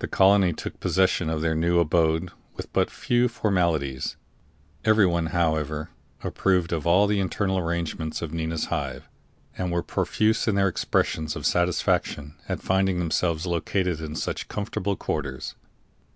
The colony took possession of their new abode with but few formalities. Everyone, however, approved of all the internal arrangements of Nina's Hive, and were profuse in their expressions of satisfaction at finding themselves located in such comfortable quarters.